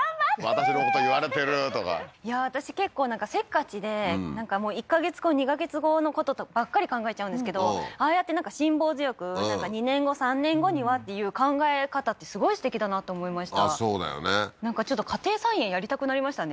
私のこと言われてるとかいや私結構せっかちで１か月後２か月後のことばっかり考えちゃうんですけどああやってなんか辛抱強く２年後３年後にはっていう考え方ってすごいすてきだなって思いましたそうだよねなんかちょっと家庭菜園やりたくなりましたね